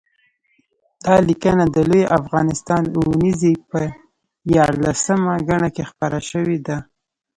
دا لیکنه د لوی افغانستان اوونیزې په یارلسمه ګڼه کې خپره شوې ده